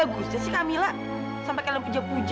apa bagusnya sih kamila sampai kalian puja puja kayak gini